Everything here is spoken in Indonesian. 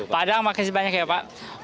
pak adang makasih banyak ya pak